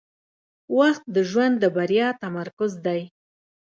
• وخت د ژوند د بریا تمرکز دی.